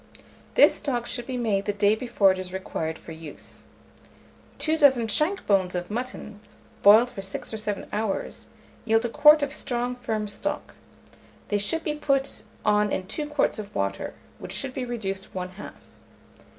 This stock should be made the day before it is required for use. Two dozen shank bones of mutton, boiled for 6 or 7 hours, yield a quart of strong firm stock. They should be put on in 2 quarts of water, which should be reduced one half.